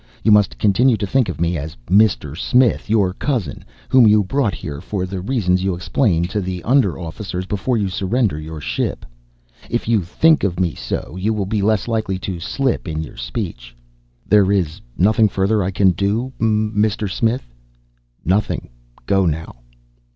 You must continue to think of me as Mister Smith, your cousin, whom you brought here for the reasons you explained to the under officers, before you surrender your ship. If you think of me so, you will be less likely to slip in your speech." "There is nothing further I can do Mister Smith?" "Nothing. Go now."